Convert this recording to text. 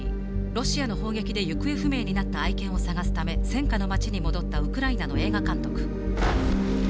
ロシアの砲撃で行方不明になった愛犬を捜すため戦渦の町に戻ったウクライナの映画監督。